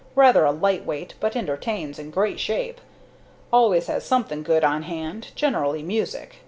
Rather a light weight, but entertains in great shape. Always has something good on hand generally music.